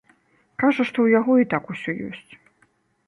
Кажа, што ў яго і так усё ёсць.